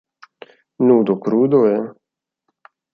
Nudo, crudo e...